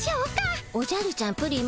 おじゃるちゃんプリン